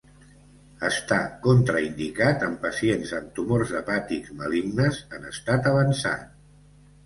Està contraindicat en pacients amb tumors hepàtics malignes en estat avançat.